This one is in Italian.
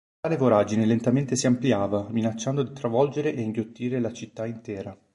Tale voragine lentamente si ampliava minacciando di travolgere e inghiottire la città intera.